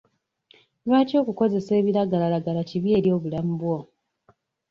Lwaki okukozesa ebiragalalagala kibi eri obulamu bwo?